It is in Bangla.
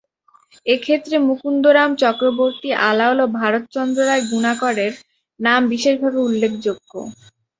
এক্ষেত্রে মুকুন্দরাম চক্রবর্তী, আলাওল ও ভারতচন্দ্ররায় গুণাকরের নাম বিশেষভাবে উল্লেখযোগ্য।